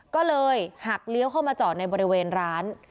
ก็เลยหักเลี้ยวเข้ามาจอดในบริเวณร้าน